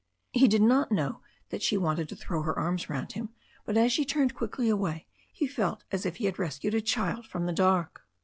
He did not know that she wanted to throw her arms round him, but as she turned quickly away he felt as if he had rescued a child from the dark.